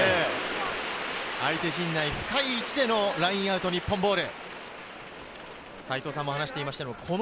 相手陣内、深い位置でのラインアウト、日本ボール。